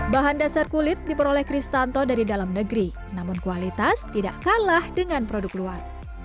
bahan dasar kulit diperoleh kristanto dari dalam negeri namun kualitas tidak kalah dengan produk luar